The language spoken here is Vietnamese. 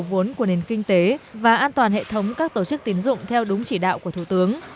vốn của nền kinh tế và an toàn hệ thống các tổ chức tiến dụng theo đúng chỉ đạo của thủ tướng